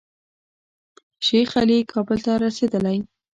شیخ علي کابل ته رسېدلی.